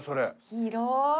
広い。